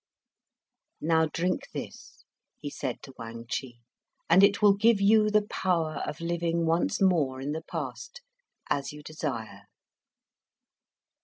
"Now, drink this," he said to Wang Chih, "and it will give you the power of living once more in the past, as you desire."